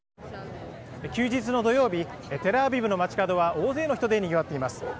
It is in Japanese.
休日の土曜日、テルアビブの街角は、大勢の人でにぎわっています。